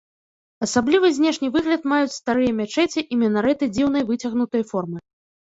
Асаблівы знешні выгляд маюць старыя мячэці і мінарэты дзіўнай выцягнутай формы.